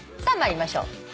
さあ参りましょう。